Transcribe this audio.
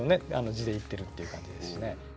地でいっているっていう感じですしね。